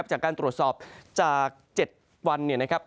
จากการตรวจสอบจาก๗วัน